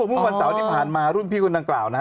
วันเมื่อสาวที่ผ่านมารุ่นพี่คุณทางกราวนะฮะ